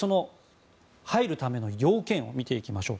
入るための要件を見ていきましょう。